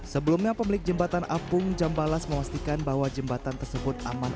sebelumnya pemilik jembatan apung jambalas memastikan bahwa jembatan tersebut aman